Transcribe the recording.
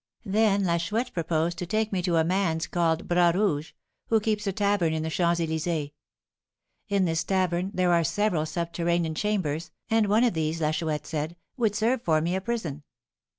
Then La Chouette proposed to take me to a man's called Bras Rouge, who keeps a tavern in the Champs Elysées. In this tavern there are several subterranean chambers, and one of these, La Chouette said, would serve me for a prison.